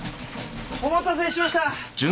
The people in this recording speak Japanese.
お待たせしました！